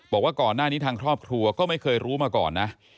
บอกว่าก่อนหน้านี้ทางครอบครัวก็ไม่เคยรู้มาก่อนนะ